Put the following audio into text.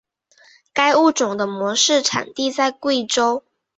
该物种的模式产地在贵州。